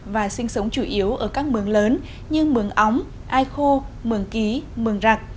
và sinh sống chủ yếu ở các mường lớn như mường óng ai khô mường ký mường rạc